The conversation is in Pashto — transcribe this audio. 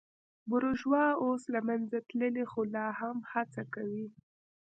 بورژوا اوس له منځه تللې خو لا هم هڅه کوي.